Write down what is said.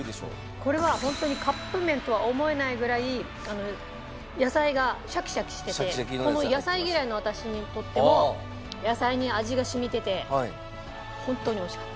これはホントにカップ麺とは思えないぐらい野菜がシャキシャキしててこの野菜嫌いの私にとっても野菜に味が染みてて本当に美味しかった。